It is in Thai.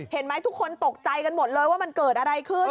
เห็นไหมทุกคนตกใจกันหมดเลยว่ามันเกิดอะไรขึ้น